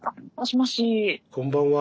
こんばんは。